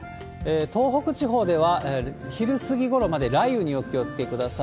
東北地方では、昼過ぎごろまで雷雨にお気をつけください。